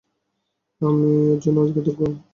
আমি এর জন্য কৃতজ্ঞ।